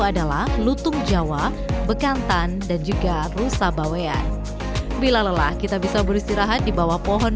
adalah lutung jawa bekantan dan juga rusa bawean bila lelah kita bisa beristirahat di bawah pohon